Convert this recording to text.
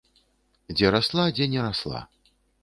Дзе расла, дзе не расла.